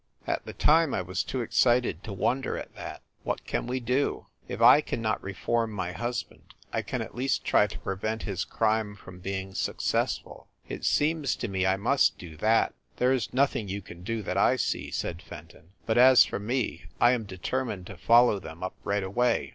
At the time I was too excited to wonder at that. What can we do? If I can not reform my husband, I can at least try to prevent his crime from being success ful. It seems to me I must do that." "There is nothing you can do, that I see," said Fenton. "But as for me, I am determined to follow them up right away.